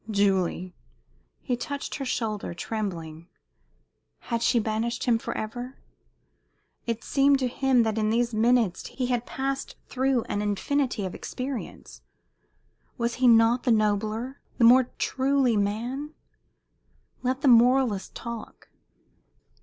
"Julie!" He touched her shoulder, trembling. Had she banished him forever? It seemed to him that in these minutes he had passed through an infinity of experience. Was he not the nobler, the more truly man? Let the moralists talk.